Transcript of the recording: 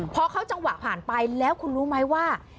เพราะเขาเจ้าจังหวะผ่านไปแล้วคุณรู้มั้ยว่า